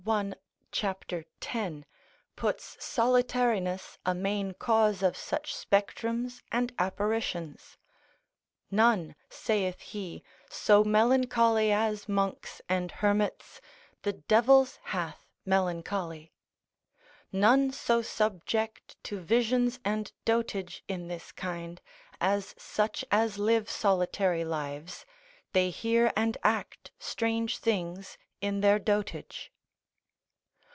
1. cap. 10. puts solitariness a main cause of such spectrums and apparitions; none, saith he, so melancholy as monks and hermits, the devil's hath melancholy; none so subject to visions and dotage in this kind, as such as live solitary lives, they hear and act strange things in their dotage.